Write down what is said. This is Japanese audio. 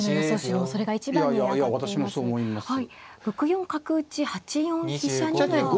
６四角打８四飛車には。